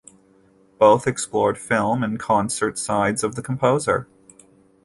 Both explored film and concert sides of the composer.